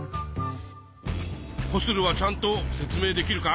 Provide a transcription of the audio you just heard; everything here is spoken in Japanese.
コスルはちゃんと説明できるかい？